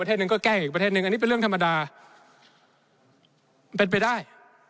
ประเทศหนึ่งก็แกล้งอีกประเทศนึงอันนี้เป็นเรื่องธรรมดาเป็นไปได้